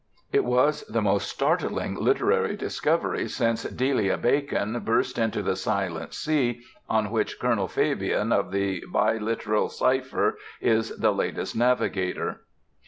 It was the most startling literary discovery since Delia Bacon burst into the silent sea on which Colonel Fabyan of the biliteral cypher is the latest navigator.